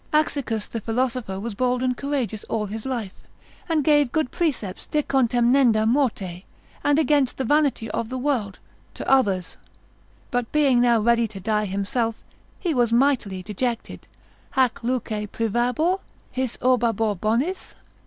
Axicchus the philosopher was bold and courageous all his life, and gave good precepts de contemnenda morte, and against the vanity of the world, to others; but being now ready to die himself, he was mightily dejected, hac luce privabor? his orbabor bonis?